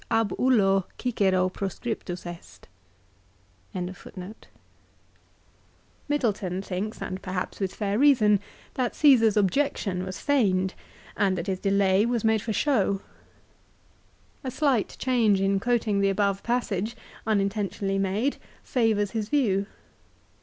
l Middleton thinks, and perhaps with fair reason, that Caesar's objection was feigned, and that his delay was made for show. A slight change in quoting the above passage, uninten tionally made, favours his view.